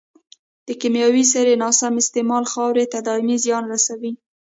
د کيمیاوي سرې ناسم استعمال خاورې ته دائمي زیان رسوي.